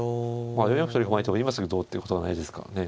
まあ４四歩取り込まれても今すぐどうっていうことはないですからね。